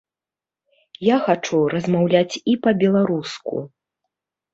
Я хачу размаўляць і па-беларуску.